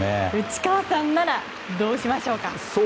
内川さんならどうしましょうか。